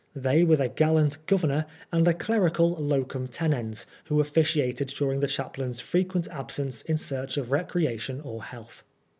They were the gallant Governor and a clerical locum tenens who officiated during the chaplain's frequent absence in search of recreation or health.